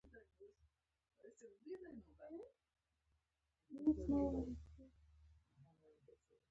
هغه هم کیزه را پورته کړه.